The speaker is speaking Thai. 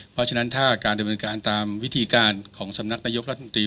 เพราะฉะนั้นถ้าการดำเนินการตามวิธีการของสำนักนายกรัฐมนตรี